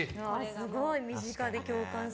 すごい身近で共感する。